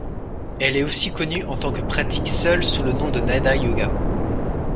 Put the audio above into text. Elle est aussi connue en tant que pratique seule sous le nom de Nada-yoga.